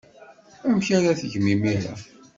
Amek ara tgem imir-a?